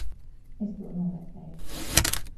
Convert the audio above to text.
Es to novērtēju.